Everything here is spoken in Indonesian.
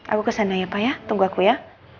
aku kesana ya pak ya tunggu aku ya